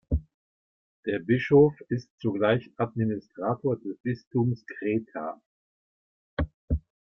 Der Bischof ist zugleich Administrator des Bistums Kreta.